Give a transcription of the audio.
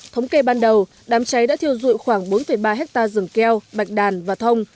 thống kê ban đầu đám cháy đã thiêu dụi khoảng bốn ba hectare rừng keo bạch đàn và thông